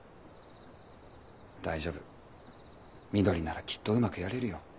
大丈夫翠ならきっとうまくやれるよ。